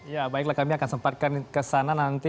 ya baiklah kami akan sempatkan kesana nanti